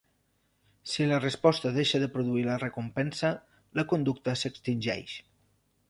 Si la resposta deixa de produir la recompensa, la conducta s'extingeix.